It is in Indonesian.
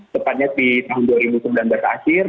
tepatnya di tahun dua ribu sembilan belas akhir